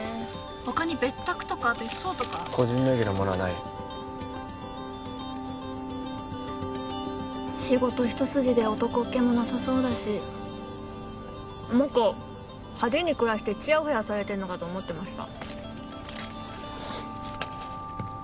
他に別宅とか別荘とか個人名義のものはない仕事一筋で男っ気もなさそうだしもっと派手に暮らしてチヤホヤされてんのかと思ってました